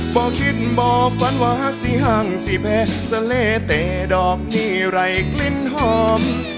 บ่คิดบ่ฝันหวากสี่ห้างสี่เพสะเลเตะดอกนี่ไร่กลิ่นหอม